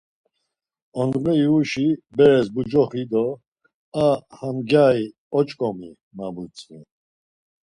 Ondğe ivuşi beres bucoxi do “A ha gyari, oç̌ǩomi” ma butzvi.